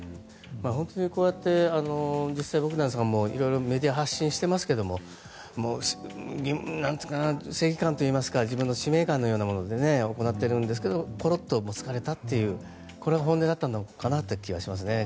本当にこうやって実際ボグダンさんもいろいろメディアに発信していますけど正義感といいますか自分の使命感のようなもので行っているんですけどころっと、疲れたというこれは本音だったのかなって気がしますね。